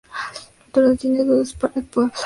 El autor no tiene dudas, para el pueblo.